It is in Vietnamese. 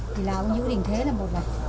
thì là ông nhữ đình thế là một này